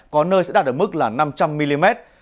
có nơi sẽ đạt ở mức là năm trăm linh mm